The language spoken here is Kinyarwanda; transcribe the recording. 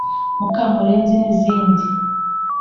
“Mukamurenzi” n’izindi